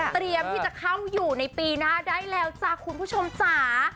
เตรียมที่จะเข้าอยู่ในปีหน้าได้แล้วจ้ะคุณผู้ชมจ๋า